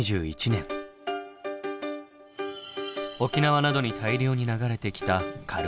沖縄などに大量に流れてきた軽石。